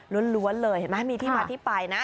้วนเลยเห็นไหมมีที่มาที่ไปนะ